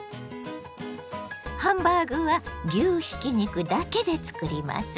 ハンバーグは牛ひき肉だけでつくります。